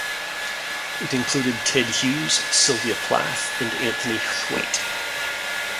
It included Ted Hughes, Sylvia Plath, and Anthony Thwaite.